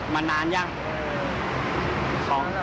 ไม่เห็นหลายวันแล้ว